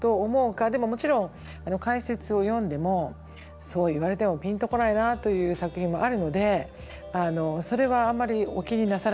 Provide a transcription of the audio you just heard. でももちろん解説を読んでも「そう言われてもピンと来ないな」という作品もあるのでそれはあまりお気になさらずに。